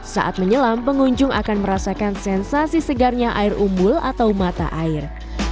saat menyelam pengunjung akan merasakan sensasi segarnya air umbul atau mata air